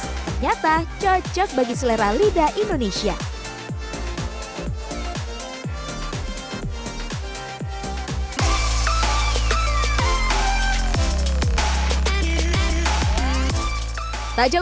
ternyata cocok bagi selera lidah indonesia